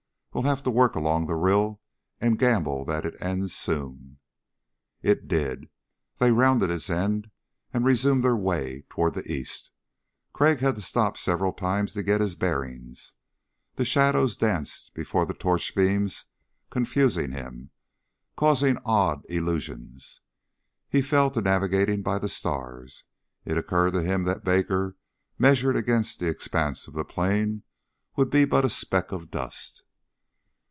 We'll have to work along the rill and gamble that it ends soon." It did. They rounded its end and resumed their way toward the east. Crag had to stop several times to get his bearings. The shadows danced before the torch beams confusing him, causing odd illusions. He fell to navigating by the stars. It occurred to him that Baker, measured against the expanse of the plain, would be but a speck of dust.